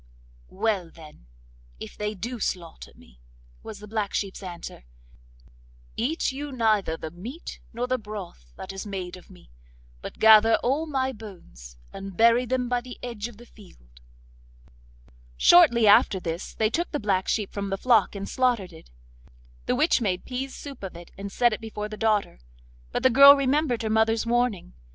'Well, then, if they do slaughter me,' was the black sheep's answer, 'eat you neither the meat nor the broth that is made of me, but gather all my bones, and bury them by the edge of the field.' Shortly after this they took the black sheep from the flock and slaughtered it. The witch made pease soup of it, and set it before the daughter. But the girl remembered her mother's warning.